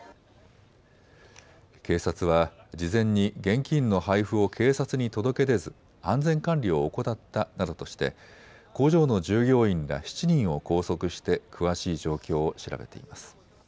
警察は事前に現金の配布を警察に届け出ず安全管理を怠ったなどとして工場の従業員ら７人を拘束して詳しい状況を調べています。